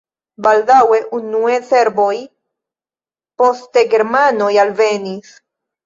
Baldaŭe unue serboj, poste germanoj alvenis.